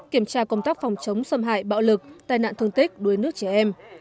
kiểm tra công tác phòng chống xâm hại bạo lực tai nạn thương tích đuối nước trẻ em